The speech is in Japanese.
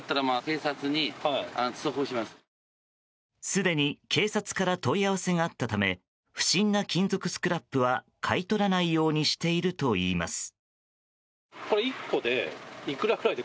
すでに警察から問い合わせがあったため不審な金属スクラップは買い取らないようにしているといいます。